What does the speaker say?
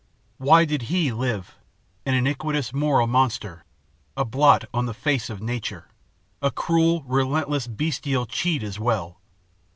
Why did he live? an iniquitous, moral monster, a blot on the face of nature, a cruel, relentless, bestial cheat as well.